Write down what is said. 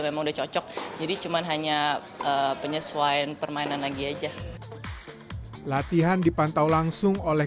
memang udah cocok jadi cuman hanya penyesuaian permainan lagi aja latihan dipantau langsung oleh